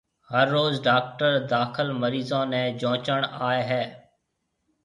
ھر روز ڊاڪٽر داخل مريضون نيَ جونچڻ آئيَ ھيََََ